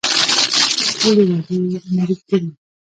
ټولې وعدې عملي کړي.